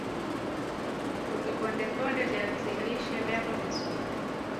ukipondeponde viazi lishe vyako vizuri